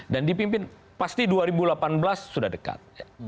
dan dipimpin pasti dua ribu delapan belas sudah dekat